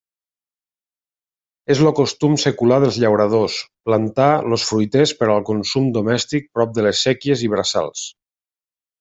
És el costum secular dels llauradors plantar els fruiters per al consum domèstic prop de les séquies i braçals.